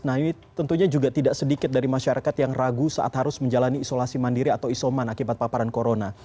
nah ini tentunya juga tidak sedikit dari masyarakat yang ragu saat harus menjalani isolasi mandiri atau isoman akibat paparan corona